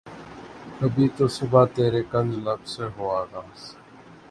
کبھی تو صبح ترے کنج لب سے ہو آغاز